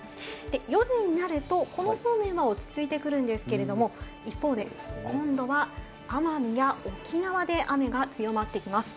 夜になると、この方面は落ち着いてくるんですけれども、一方で今度は奄美や沖縄で雨が強まってきます。